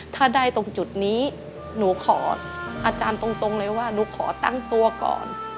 ถ้าได้ตรงจุดนี้หนูขออาจารย์ตรงเลยว่าหนูขอตั้งตัวก่อน